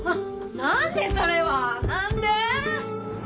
何ねそれは何で？